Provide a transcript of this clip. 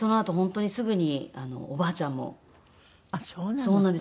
そうなんです。